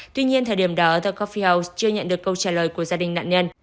tuy nhiên thời điểm đó the coffee house chưa nhận được câu trả lời của gia đình nạn nhân